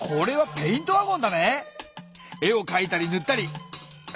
ペイント・ワゴンだ。